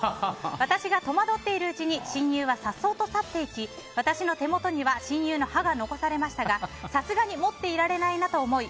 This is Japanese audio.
私が戸惑っているうちに親友はさっそうと去っていき私の手元には親友の歯が残されましたがさすがに持っていられないなと思い